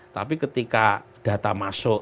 tapi ketika data masuk